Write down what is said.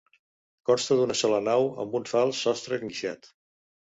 Consta d'una sola nau, amb un fals sostre enguixat.